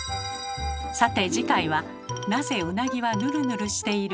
さて次回は「なぜうなぎはヌルヌルしている？」